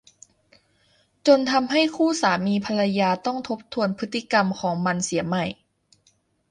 จนทำให้คู่สามีภรรยาต้องทบทวนพฤติกรรมของมันเสียใหม่